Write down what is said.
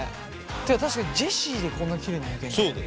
確かにジェシーでこんなきれいにむけるんだ。